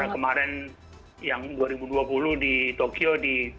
karena kemarin yang dua ribu dua puluh di tokyo